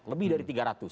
lebih dari tiga ratus